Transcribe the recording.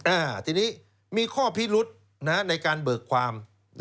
อ่าทีนี้มีข้อพิรุธในการเบิกความ